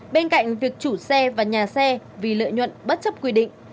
bên cạnh việc chủ xe và nhà xe vì lợi nhuận bất chấp quy định